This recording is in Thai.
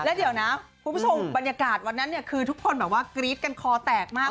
แล้วเดี๋ยวนะคุณผู้ชมบรรยากาศวันนั้นเนี่ยคือทุกคนแบบว่ากรี๊ดกันคอแตกมาก